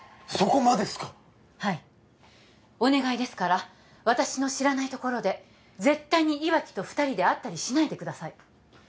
そこまでっすかはいお願いですから私の知らないところで絶対に岩城と２人で会ったりしないでください